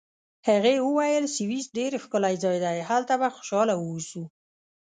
هغې وویل: سویس ډېر ښکلی ځای دی، هلته به خوشحاله واوسو.